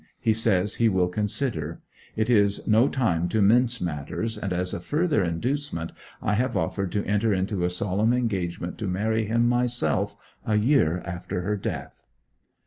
He says he will consider. It is no time to mince matters, and as a further inducement I have offered to enter into a solemn engagement to marry him myself a year after her death.